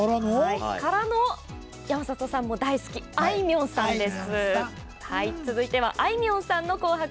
からの、山里さんも大好きあいみょんさんです。